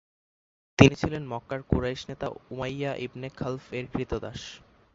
তিনি ছিলেন মক্কার কুরাইশ নেতা উমাইয়া ইবনে খালফ-এর ক্রীতদাস।